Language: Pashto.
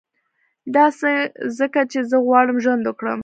دا ځکه چي زه غواړم ژوند وکړم